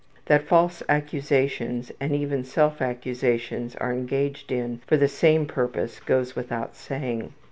That false accusations and even self accusations are engaged in for the same purpose goes without saying.